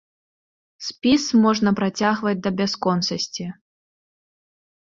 Спіс можна працягваць да бясконцасці.